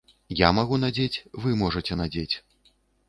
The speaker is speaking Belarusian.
Я магу надзець, вы можаце надзець.